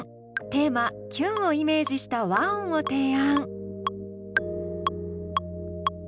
テーマ「キュン」をイメージした和音を提案。